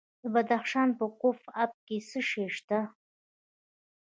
د بدخشان په کوف اب کې څه شی شته؟